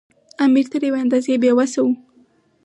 امیر تر یوې اندازې بې وسه وو.